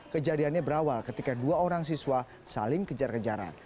kejadiannya berawal ketika dua orang siswa saling kejar kejaran